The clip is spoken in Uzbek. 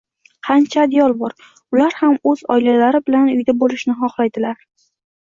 Qancha adyol bor? Ular ham o'z oilalari bilan uyda bo'lishni xohlaydilar